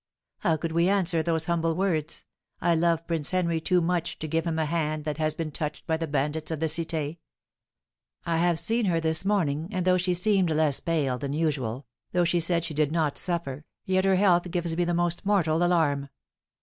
How could we answer those humble words, "I love Prince Henry too much to give him a hand that has been touched by the bandits of the Cité!" I have seen her this morning, and though she seemed less pale than usual, though she said she did not suffer, yet her health gives me the most mortal alarm.